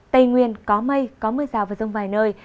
tây nguyên có mây có mưa rào và rông vài nơi